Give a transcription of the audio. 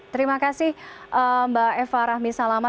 terima kasih mbak eva rahmi salama